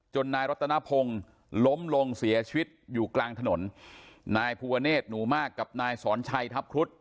นายรัตนพงศ์ล้มลงเสียชีวิตอยู่กลางถนนนายภูวะเนธหนูมากกับนายสอนชัยทัพครุฑ